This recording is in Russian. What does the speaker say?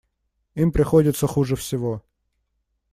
Им приходится хуже всего.